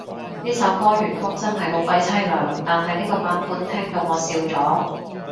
呢首歌原曲真係好鬼淒涼，但係呢個版本聽到我笑咗